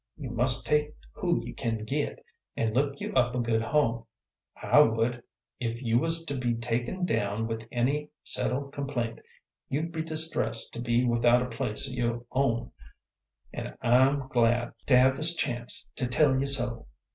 You must take who you can git, and look you up a good home; I would. If you was to be taken down with any settled complaint, you'd be distressed to be without a place o' your own, an' I'm glad to have this chance to tell ye so.